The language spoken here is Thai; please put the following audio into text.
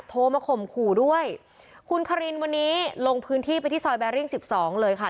โทรมาข่มขู่ด้วยคุณคารินวันนี้ลงพื้นที่ไปที่ซอยแบริ่งสิบสองเลยค่ะ